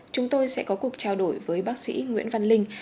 chúng tôi sẽ có cuộc trao đổi với bác sĩ nguyễn văn linh